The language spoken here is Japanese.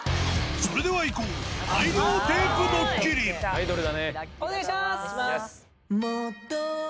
それではいこう、お願いします！